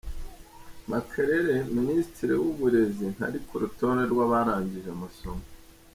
Makerere Minisitiri w’uburezi ntari ku rutonde rw’abarangije amasomo